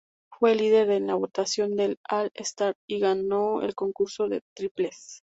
Fue el líder en la votación del All-Star y ganó el Concurso de Triples.